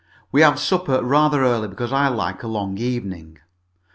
We have supper rather early, because I like a long evening.